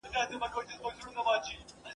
توبه ګار چي له توبې یم چي پرهېز یم له ثوابه ..